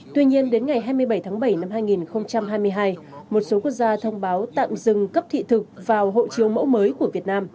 tuy nhiên đến ngày hai mươi bảy tháng bảy năm hai nghìn hai mươi hai một số quốc gia thông báo tạm dừng cấp thị thực vào hộ chiếu mẫu mới của việt nam